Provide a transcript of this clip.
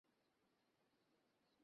অন্তত একটা ইডলি তো দাও।